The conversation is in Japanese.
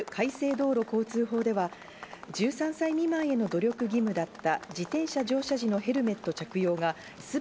道路交法では、１３歳未満への努力義務だった